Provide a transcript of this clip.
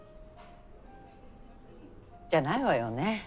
じゃないわよね。